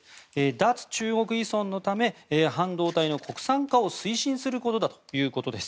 脱中国依存のため半導体の国産化を推進することだということです。